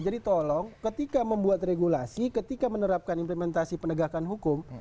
jadi tolong ketika membuat regulasi ketika menerapkan implementasi penegakan hukum